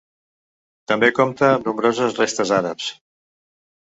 També compta amb nombroses restes àrabs.